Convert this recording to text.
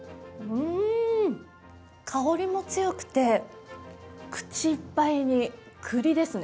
うーん、香りも強くて、口いっぱいに栗ですね。